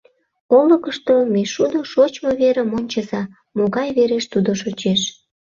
Олыкышто мӱйшудо шочмо верым ончыза, могай вереш тудо шочеш.